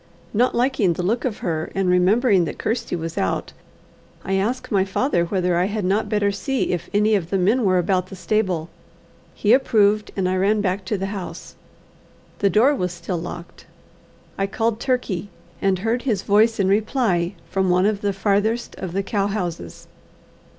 Not liking the look of her, and remembering that Kirsty was out, I asked my father whether I had not better see if any of the men were about the stable. He approved, and I ran back to the house. The door was still locked. I called Turkey, and heard his voice in reply from one of the farthest of the cow houses.